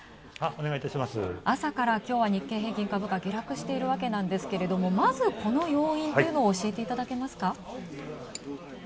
朝から、きょうは日経平均株価下落しているわけなんですけども、まず、この要因というのを教えていただけますか？